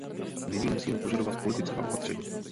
Nyní musíme požadovat politická opatření.